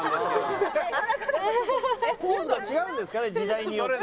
ポーズが違うんですかね時代によって。